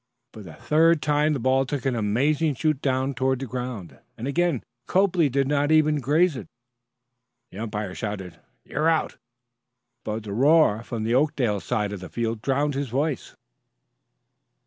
For the third time the ball took a most amazing shoot toward the ground, and again Copley did not even graze it. The umpire shouted, "You're out!" but the roar from Oakdale's side of the field drowned his voice.